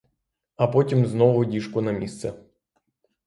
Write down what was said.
А потім знову діжку на місце.